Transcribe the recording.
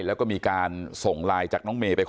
แล้วก็มีการส่งไลน์จากน้องเมย์ไปขอ